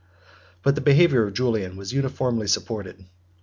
74 But the behavior of Julian was uniformly supported.